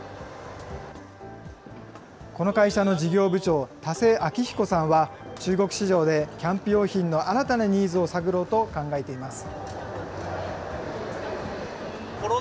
この会社の事業部長、田瀬明彦さんは、中国市場でキャンプ用品の新たなニーズを探ろうと考えています。